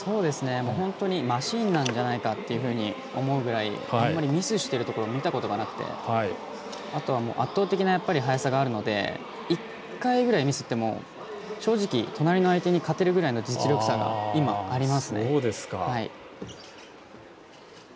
本当にマシンなんじゃないかと思うぐらいミスしているところを見たことがなくてあとは、圧倒的な速さがあるので１回ぐらいミスっても正直、隣の相手に勝てるぐらいの実力差が今、ありますね。